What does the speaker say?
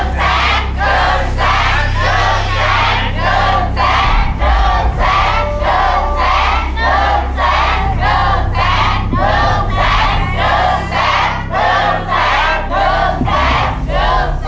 ชุดเศร้าชุดเศร้า